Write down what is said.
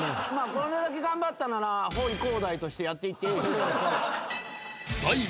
これだけ頑張ったならほい航大としてやっていってええ。